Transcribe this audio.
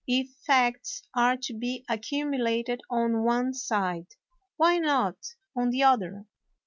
If facts are to be accumulated on one side, why not on the other?